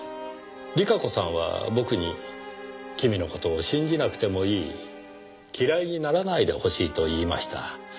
利佳子さんは僕に君の事を信じなくてもいい嫌いにならないでほしいと言いました。